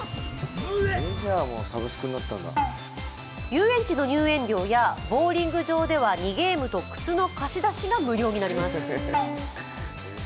遊園地の入園料やボウリング場では２ゲームと靴の貸し出しが無料になります。